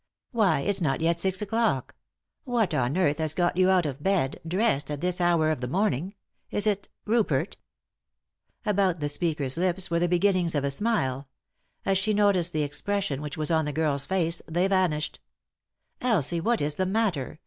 " Why, it's not yet six o'clock ! What on earth has got you out of bed— dressed 1— at this hour of the morning ? Is it— Rupert ?" About the speaker's lips were the beginnings of a smile ; as she noticed the expression which was on the girl's face they vanished. " Elsie, what is the matter